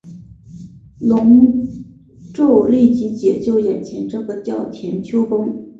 龙飙立即解救眼前这个叫田秋凤。